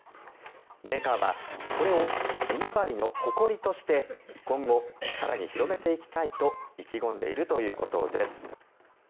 メーカーはこれを今治の誇りとして今後、更に広めていきたいと意気込んでいるということです。